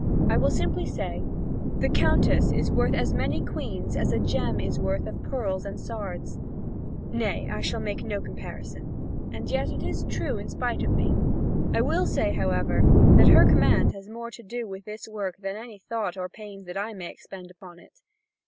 I will simply say: "The Countess is worth as many queens as a gem is worth of pearls and sards." Nay I shall make no comparison, and yet it is true in spite of me; I will say, however, that her command has more to do with this work than any thought or pains that I may expend upon it.